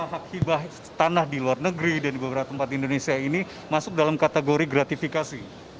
hibah tanah di luar negeri dan di beberapa tempat di indonesia ini masuk dalam kategori gratifikasi